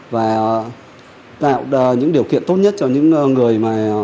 và tạo những điều kiện tốt nhất cho những người